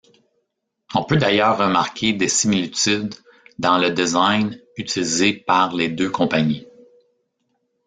On peut d'ailleurs remarquer des similitudes dans le design utilisé par les deux compagnies.